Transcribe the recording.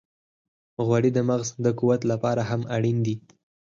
غوړې د مغز د قوت لپاره هم اړینې دي.